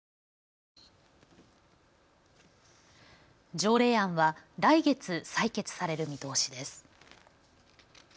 条例案は来月採決される見通しです。